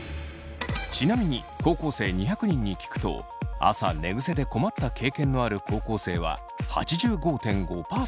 ちなみに高校生２００人に聞くと朝寝ぐせで困った経験のある高校生は８５．５％。